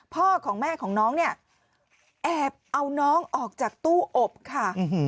พ่อของแม่ของน้องเนี่ยแอบเอาน้องออกจากตู้อบค่ะ